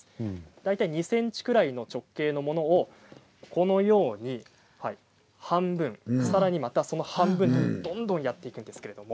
大体２ｃｍぐらいの直径のものを半分、さらにまたその半分とどんどんやっていきます。